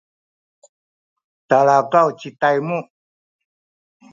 talakaw ci Taymu